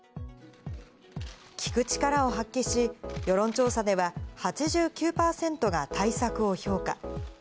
聞く力を発揮し、世論調査では８９％が対策を評価。